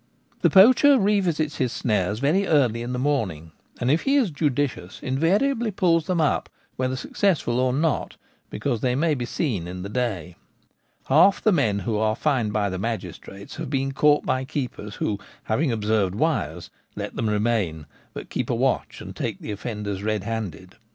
The poacher revisits his snares very early in the morning, and if he is judicious invariably pulls them up, whether successful or not, because they may be seen in the day. Half the men who are fined by the magistrates have been caught by keepers who, having observed wires, let them remain ; but keep a watch and take the offenders red handed.